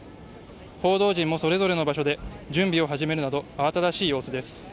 報道陣もそれぞれの場所で準備を始めるなどあわただしい様子です。